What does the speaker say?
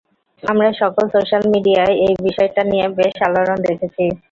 আমরা সকল সোশ্যাল মিডিয়ায় এই বিষয়টা নিয়ে বেশ আলোড়ন দেখেছি।